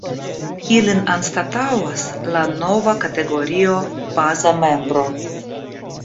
Ilin anstataŭas la nova kategorio ”baza membro”.